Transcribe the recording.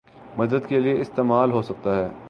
مدد کے لیے استعمال ہو سکتا ہے